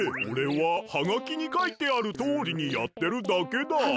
おれはハガキにかいてあるとおりにやってるだけだ！